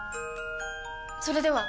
それでは！